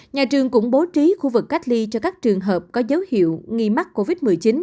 nhà trường cũng bố trí khu vực cách ly cho các trường hợp có dấu hiệu nghi mắc covid một mươi chín